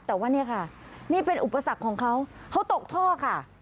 แต่ว่าเนี่ยค่ะนี่เป็นอุปสรรคของเขาเขาตกท่อค่ะ